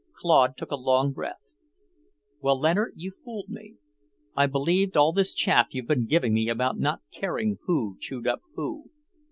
Claude took a long breath. "Well, Leonard, you fooled me. I believed all this chaff you've been giving me about not caring who chewed up who."